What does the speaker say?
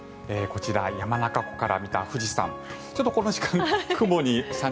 こちら、山中湖から見た富士山。